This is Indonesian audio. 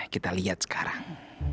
kita lihat sekarang